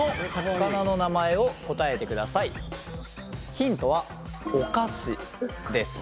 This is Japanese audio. ヒントはお菓子です。